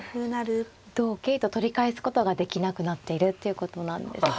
同桂と取り返すことができなくなっているということなんですね。